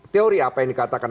teori apa yang dikatakan